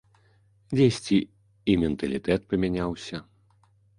Дзесьці і менталітэт памяняўся.